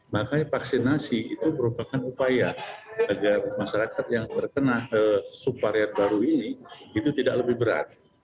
makanya vaksinasi itu merupakan upaya agar masyarakat yang terkena subvarian baru ini itu tidak lebih berat